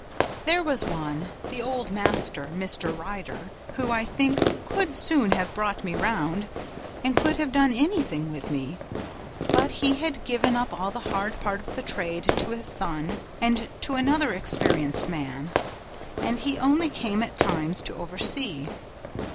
"There was one the old master, Mr. Ryder who, I think, could soon have brought me round, and could have done anything with me; but he had given up all the hard part of the trade to his son and to another experienced man, and he only came at times to oversee.